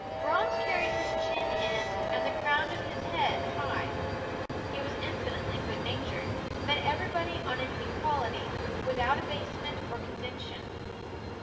Brahms carried his chin in, and the crown of his head high. He was infinitely good natured, met everybody on an equality, without abasement or condescension.